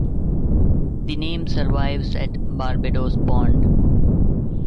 The name survives at Barbadoes Pond.